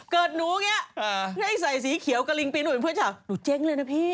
เกิดหนูเนี่ยให้ใส่สีเขียวกระลิงปีนหนูเป็นเพื่อนเจ้าหนูเจ๊งเลยนะพี่